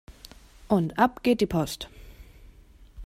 Und ab geht die Post!